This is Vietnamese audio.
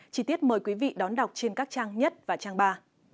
chỉ tiết mời quý vị đón đọc trên các trang nhất và trang ba